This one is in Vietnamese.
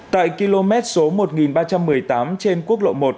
tại km số một ba trăm một mươi tám trên quốc lộ một